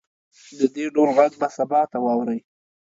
د دې ډول غږ به سبا ته واورئ